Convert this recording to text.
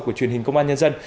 của truyền hình công an nhân dân